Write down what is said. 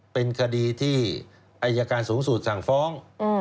เป็นคดีที่อายการสูงสุดสั่งฟ้อง